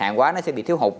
hàng quá nó sẽ bị thiếu hụt